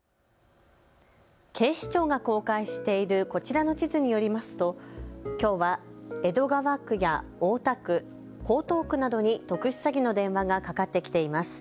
警視庁が公開しているこちらの地図によりますときょうは江戸川区や大田区、江東区などに特殊詐欺の電話がかかってきています。